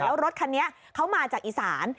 แล้วรถคันนี้เขามาจากอีสาน